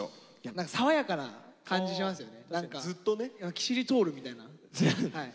キシリトールみたいなはい。